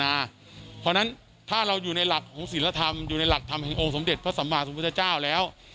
เพราะฉะนั้นถ้าเราอยู่ในหลักของศิลธรรมอยู่ในหลักธรรมแห่งองค์สมเด็จพระสัมมาสมพุทธเจ้าแล้ว